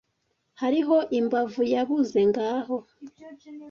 hariho imbavu yabuze ngaho